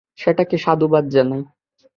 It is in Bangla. সেটাকে সাধুবাদ জানাই।